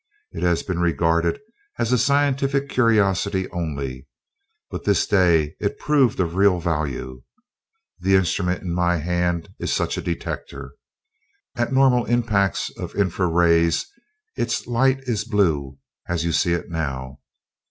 It has been regarded as a scientific curiosity only, but this day it proved of real value. This instrument in my hand is such a detector. At normal impacts of infra rays its light is blue, as you see it now.